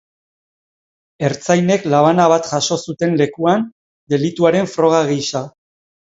Ertzainek labana bat jaso zuten lekuan, delituaren froga gisa.